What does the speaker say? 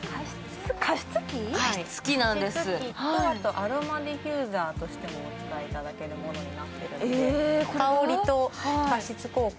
加湿器と、あとアロマデフューザーとしてもお使いいただけるようになっていて。